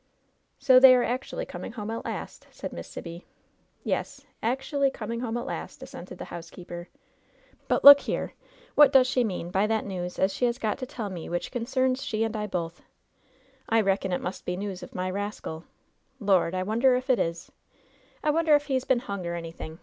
" "So they are actually coming home at last," said Miss Sibby. "Yes, actially coming home at last,'' assented the housekeeper. "But, look here. What does she mean by that news as she has got to tell me which concerns she and I both? I reckon it must be news of my rascaL Lord ! I wonder if it is ? I wonder if he's been hung or anything